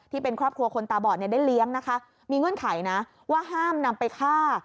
ที่เป็นครอบครัวคนตาบอดเนี่ยได้เลี้ยงนะคะมีเงื่อนไขนะว่าห้ามนำไปฆ่า